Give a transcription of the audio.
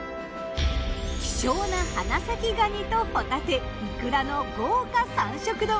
希少な花咲がにとホタテイクラの豪華三色丼。